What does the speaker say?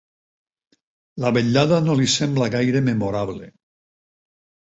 La vetllada no li sembla gaire memorable.